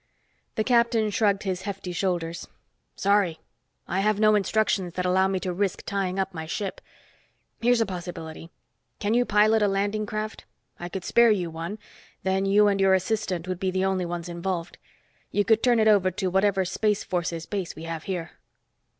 The captain shrugged his hefty shoulders. "Sorry, I have no instructions that allow me to risk tying up my ship. Here's a possibility. Can you pilot a landing craft? I could spare you one, then you and your assistant would be the only ones involved. You could turn it over to whatever Space Forces base we have here."